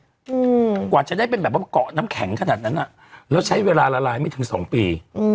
อืมกว่าจะได้เป็นแบบว่าเกาะน้ำแข็งขนาดนั้นอ่ะแล้วใช้เวลาละลายไม่ถึงสองปีอืม